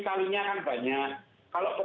kalinya kan banyak kalau petani